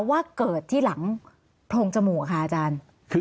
ว่าเกิดที่หลังโพรงจมูกค่ะอาจารย์